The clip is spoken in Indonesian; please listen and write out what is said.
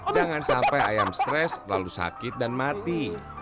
jangan sampai ayam stres lalu sakit dan mati